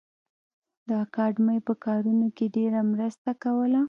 د اکاډمۍ په کارونو کې ډېره مرسته کوله